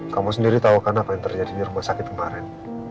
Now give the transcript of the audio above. kamu sendiri tahu kan apa yang terjadi di rumah sakit kemarin